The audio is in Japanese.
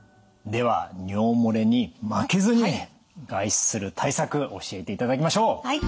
では尿漏れに負けずにね外出する対策教えていただきましょう。